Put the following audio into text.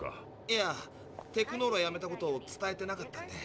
いやテクノーラやめたこと伝えてなかったんで。